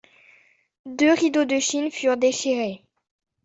Deux rideaux de Chine furent déchirés.